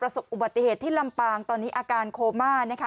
อุบัติเหตุที่ลำปางตอนนี้อาการโคม่านะคะ